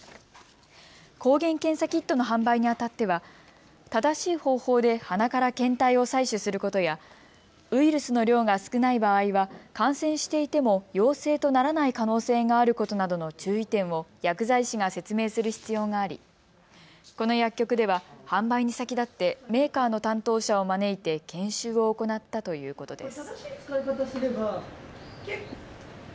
抗原検査キットの販売にあたっては、正しい方法で鼻から検体を採取することやウイルスの量が少ない場合は感染していても陽性とならない可能性があることなどの注意点を薬剤師が説明する必要がありこの薬局では販売に先立ってメーカーの担当者を招いて研修を行ったということです。